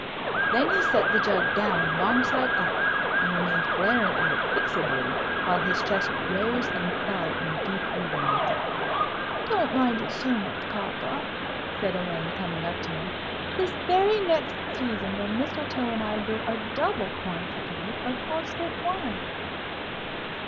Then he set the jug down wrong side up, and remained glaring at it fixedly, while his chest rose and fell in deep heavings. "Don't mind it so much, papa," said Elaine, coming up to him. "This very next season will Mistletoe and I brew a double quantity of cowslip wine."